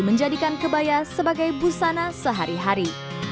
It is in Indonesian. menjadikan kebaya sebagai busana sehari hari